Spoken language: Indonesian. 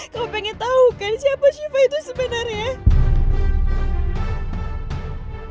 kamu pengen tau kan siapa shiva itu sebenarnya